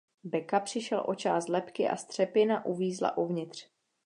Beka přišel o část lebky a střepina uvízla uvnitř.